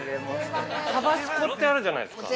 ◆タバスコってあるじゃないですか。